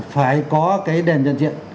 phải có cái đèn nhận diện